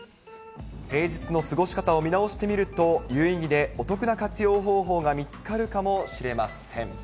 平日の過ごし方を見直してみると、有意義でお得な活用方法が見つかるかもしれません。